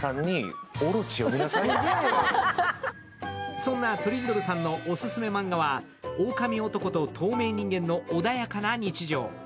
そんなトリンドルさんのおすすめマンガはオオカミ男と透明人間の穏やかな日常。